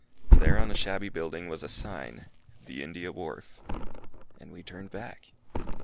There on a shabby building was a sign "The India Wharf "... and we turned back.